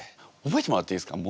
覚えてもらっていいですか？